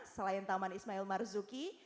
selain taman ismail marzuki